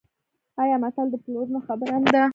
آیا متل د پلرونو خبره نه ده؟